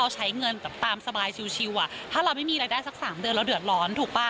ใช้เงินแบบตามสบายชิวถ้าเราไม่มีรายได้สัก๓เดือนเราเดือดร้อนถูกป่ะ